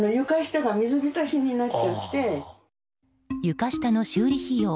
床下の修理費用